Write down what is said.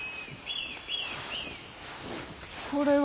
これは！